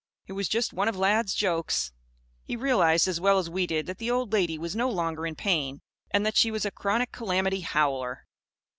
It was just one of Lad's jokes. He realised as well as we did that the old lady was no longer in pain and that she was a chronic calamity howler.